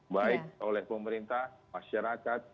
baik oleh pemerintah masyarakat